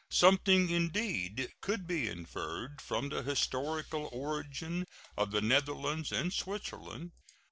Something, indeed, could be inferred from the historical origin of the Netherlands and Switzerland.